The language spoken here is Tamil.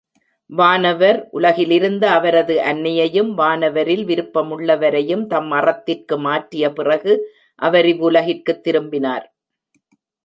வானவர் உலகிலிருந்த அவரது அன்னையையும் வானவரில் விருப்பமுள்ளவரையும் தம் அறத்திற்கு மாற்றிய பிறகு அவர் இவ்வுலகிற்குத் திரும்பினார்.